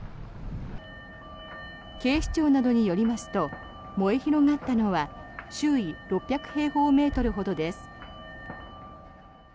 警視庁などによりますと燃え広がったのは周囲６００平方メートルほどです。